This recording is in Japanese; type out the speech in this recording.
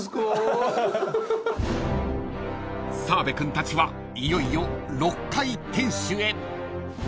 ［澤部君たちはいよいよ６階天守へ］